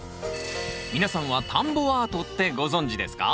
皆さんは田んぼアートってご存じですか？